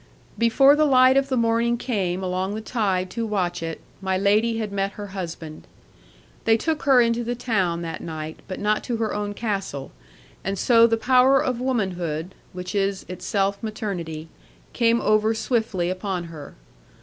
'Before the light of the morning came along the tide to Watchett my Lady had met her husband. They took her into the town that night, but not to her own castle; and so the power of womanhood (which is itself maternity) came over swiftly upon her.